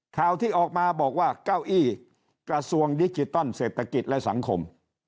ข่าวที่ออกมาบอกว่าเก้าอี้กระทรวงดิจิตอลเศรษฐกิจและสังคม